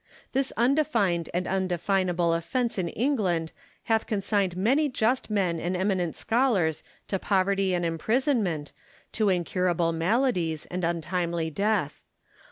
This undefined and undefinable offence in England hath consigned many just men and eminent scholars to poverty and imprisonment, to incurable maladies, and untimely death.